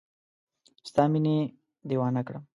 ستا مینې دیوانه کړم